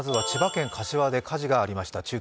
千葉県柏で火事がありました。